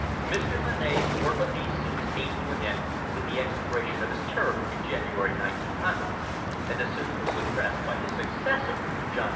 Mr. Monnett's work on these suits came to an end with the expiration of his term in January, 1900, and the suits were suppressed by his successor, John M.